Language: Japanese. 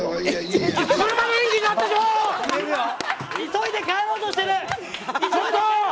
急いで帰ろうとしてる。